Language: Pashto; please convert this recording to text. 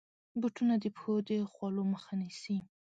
بوټونه د پښو د خولو مخه نیسي.